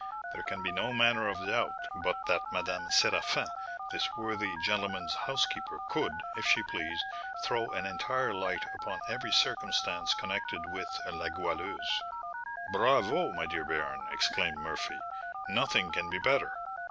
There can be no manner of doubt but that Madame Séraphin, this worthy gentleman's housekeeper, could, if she pleased, throw an entire light upon every circumstance connected with La Goualeuse." "Bravo, my dear baron!" exclaimed Murphy; "nothing can be better.